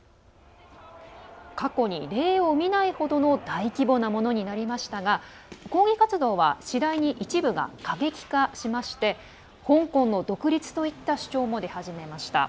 過去に例を見ないほどの大規模なものになりましたが抗議活動は次第に一部が過激化しまして香港の独立といった主張も出始めました。